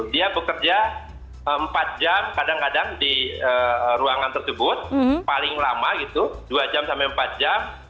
dia bekerja empat jam kadang kadang di ruangan tersebut paling lama gitu dua jam sampai empat jam